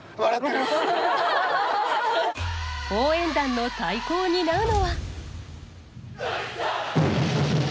応援団の太鼓を担うのは。